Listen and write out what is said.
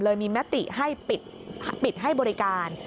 เลยมีมติให้ปิดให้บริการ